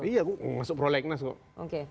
iya iya aku masuk prolegnas kok